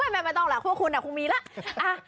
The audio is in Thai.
ไม่ต้องหรอกคุณคุณคงมีละ